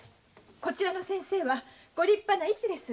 こちらの先生はご立派な医師です。